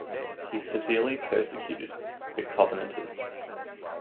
He severely persecuted the Covenanters.